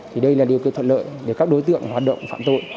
thì đây là điều kiện thuận lợi để các đối tượng hoạt động phạm tội